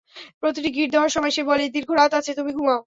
প্রতিটি গিট দেওয়ার সময় সে বলে, দীর্ঘ রাত আছে তুমি ঘুমাও!